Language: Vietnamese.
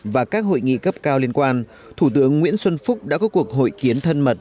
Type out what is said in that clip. và các hội nghị cấp cao liên quan thủ tướng nguyễn xuân phúc đã có cuộc hội kiến thân mật